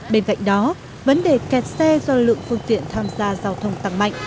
bên cạnh đó vấn đề kẹt xe do lượng phương tiện tham gia giao thông tăng mạnh